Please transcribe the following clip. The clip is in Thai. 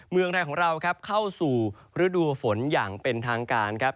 เมืองไทยของเราครับเข้าสู่ฤดูฝนอย่างเป็นทางการครับ